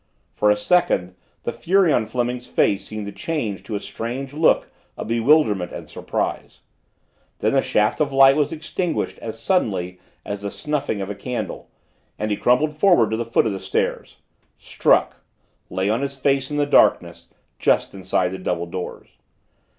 For a second, the fury on Fleming's face seemed to change to a strange look of bewilderment and surprise. Then the shaft of light was extinguished as suddenly as the snuffing of a candle, and he crumpled forward to the foot of the stairs struck lay on his face in the darkness, just inside the double doors.